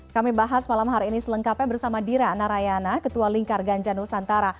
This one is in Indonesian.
kami bahas malam hari ini selengkapnya bersama dira narayana ketua lingkar ganja nusantara